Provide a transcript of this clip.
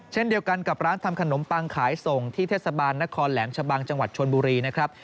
เช่นเดียวกันกับร้านทำขนมปังขายส่งที่เทศบาลนครแหลมชะบังจังหวัดชนบุรีนะครับ